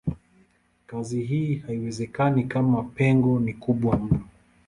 Kazi hii haiwezekani kama pengo ni kubwa mno.